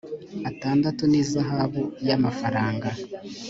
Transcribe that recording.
atandatu n ihazabu y amafaranga